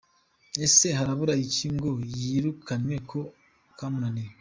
Ese harabura iki ngo yirukanywe ko kamunaniye?.